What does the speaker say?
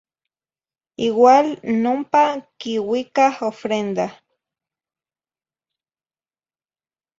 Igual n ompa quiuicah ofrenda.